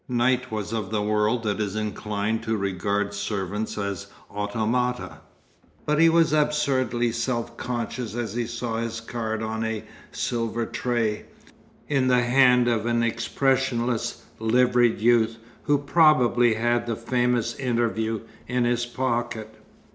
Knight was of the world that is inclined to regard servants as automata; but he was absurdly self conscious as he saw his card on a silver tray, in the hand of an expressionless, liveried youth who probably had the famous interview in his pocket.